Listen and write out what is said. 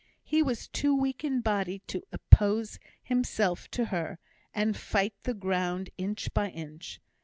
He was too weak in body to oppose himself to her, and fight the ground inch by inch.